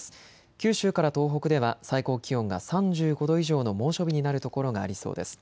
九州から東北では最高気温が３５度以上の猛暑日になる所がありそうです。